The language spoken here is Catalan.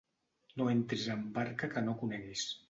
No entris en barca que no coneguis.